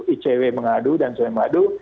icw mengadu dan cmkd